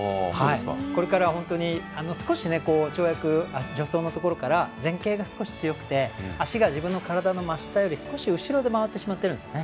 これから、本当に少し跳躍、助走のところから前傾が少し強く手足が自分の体の真下より少し後ろで回ってしまってるんですね。